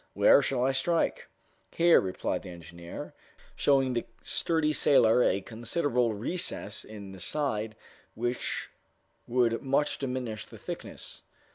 Where shall I strike?" "Here," replied the engineer, showing the sturdy sailor a considerable recess in the side, which would much diminish the thickness.